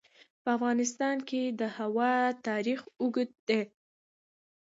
په افغانستان کې د هوا تاریخ اوږد دی.